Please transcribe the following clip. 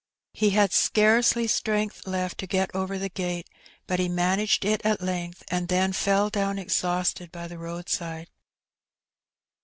He had scarcely strength left to get over the gate, but he managed it at length, and then fell down exhausted by the roadside.